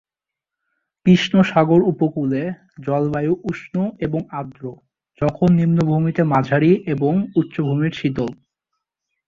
কৃষ্ণ সাগর উপকূলে জলবায়ু উষ্ণ এবং আর্দ্র, যখন নিম্নভূমিতে মাঝারি এবং উচ্চভূমির শীতল।